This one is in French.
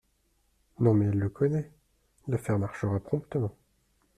Non, mais elle le connaît… l’affaire marchera promptement…